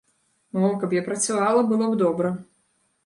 О, каб я працавала, было б добра.